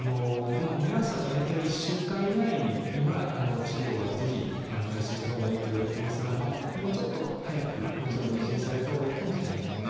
目安は大体１週間以内には治療はぜひ開始したほうがいいといわれてますがもうちょっと早くもちろん受診されたほうがいいかもしれませんね。